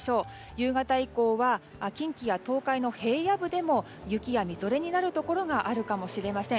夕方以降は近畿や東海の平野部でも雪やみぞれになるところがあるかもしれません。